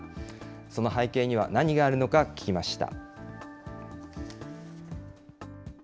その背景には何があるのか聞きました。